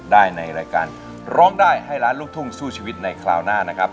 ได้ในรายการร้องได้ให้ล้านลูกทุ่งสู้ชีวิตในคราวหน้านะครับ